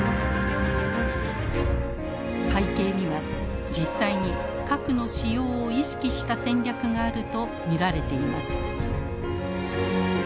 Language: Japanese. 背景には実際に核の使用を意識した戦略があると見られています。